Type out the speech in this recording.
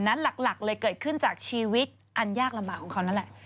หลักเลยเกิดขึ้นจากชีวิตอันยากลำบากของเขานั่นแหละ